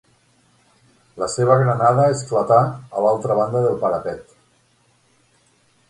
La seva granada esclatà a l'altra banda del parapet